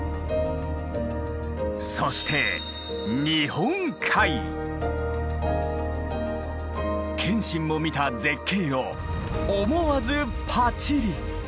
そして謙信も見た絶景を思わずパチリ！